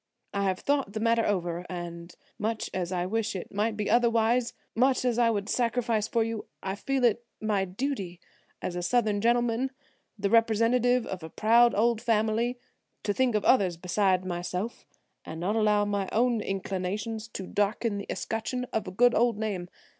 "I have thought the matter over and much as I wish it might be otherwise, much as I would sacrifice for you, I feel it my duty as a Southern gentleman, the representative of a proud old family, to think of others beside myself and not allow my own inclinations to darken the escutcheon of a good old name.